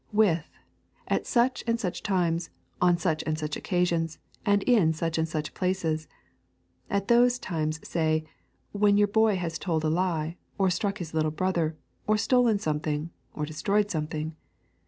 With, at such and such times, on such and such occasions, and in such and such places. At those times, say, when your boy has told a lie, or struck his little brother, or stolen something, or destroyed something.